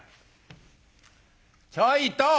ちょいと。